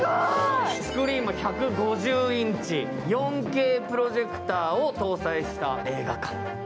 スクリーンも１５０インチ、４Ｋプロジェクターを搭載した映画館。